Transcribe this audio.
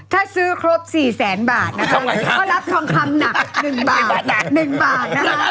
ถ้าซื้อครบ๔๐๐๐๐๐บาทก็รับทองคำหนัก๑บาท